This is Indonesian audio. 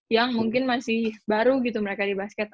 yang mungkin masih baru gitu mereka di basket